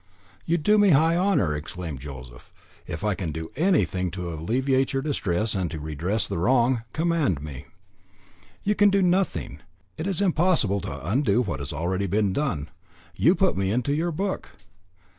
"You do me a high honour," exclaimed Joseph. "If I can do anything to alleviate your distress and to redress the wrong, command me." "You can do nothing. It is impossible to undo what has already been done. You put me into your book."